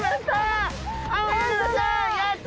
やった！